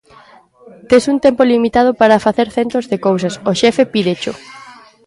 Tes un tempo limitado para facer centos de cousas, o xefe pídecho.